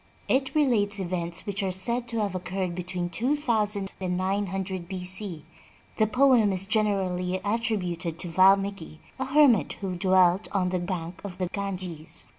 It relates events which are said to have occurred between two thousand and nine hundred B. C. The poem is generally attrib uted to Valmiki, a hermit who dwelt on the bank of the Ganges.